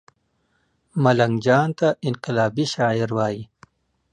ملنګ جان ته انقلابي شاعر وايي